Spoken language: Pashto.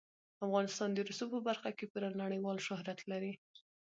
افغانستان د رسوب په برخه کې پوره نړیوال شهرت لري.